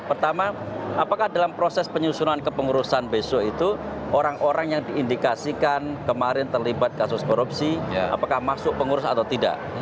pertama apakah dalam proses penyusunan kepengurusan besok itu orang orang yang diindikasikan kemarin terlibat kasus korupsi apakah masuk pengurus atau tidak